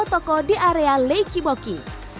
toko di area leiki boki